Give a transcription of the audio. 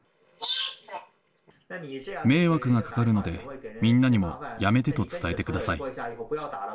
迷惑がかかるので、みんなにもやめてと伝えてください。